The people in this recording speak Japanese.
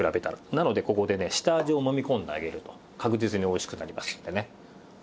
なのでここでね下味をもみ込んであげると確実においしくなりますのでね。